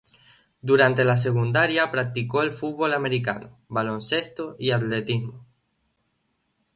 Durante la secundaria practicó el fútbol americano, baloncesto y atletismo.